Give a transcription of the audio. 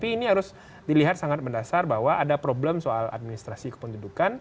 ini harus dilihat sangat mendasar bahwa ada problem soal administrasi kependudukan